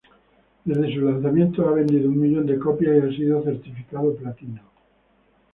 Desde su lanzamiento ha vendido un millón de copias y ha sido certificado platino.